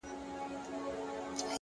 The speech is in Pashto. د زړه سکون له سم نیت راټوکېږي!.